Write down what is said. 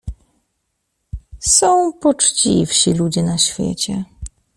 "Są poczciwsi ludzie na świecie."